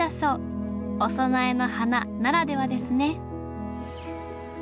お供えの花ならではですね